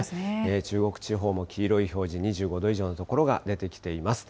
中国地方も黄色い表示、２５度以上の所が出てきています。